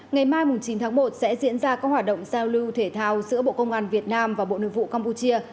ngày mai chín tháng một sẽ diễn ra các hoạt động giao lưu thể thao giữa bộ công an việt nam và bộ nội vụ campuchia